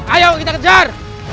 ayo kita kejar